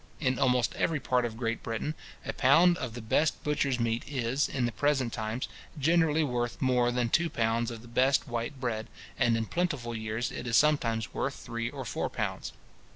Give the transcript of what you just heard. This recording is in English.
In almost every part of Great Britain, a pound of the best butcher's meat is, in the present times, generally worth more than two pounds of the best white bread; and in plentiful years it is sometimes worth three or four pounds.